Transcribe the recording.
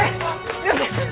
すみません